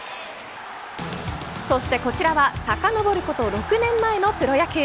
そしてこちらはさかのぼること６年前のプロ野球。